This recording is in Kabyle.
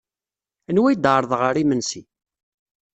Anwa ay d-teɛreḍ ɣer yimensi?